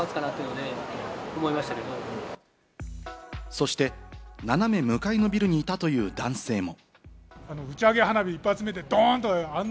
そして斜め向かいのビルにいたという男性も。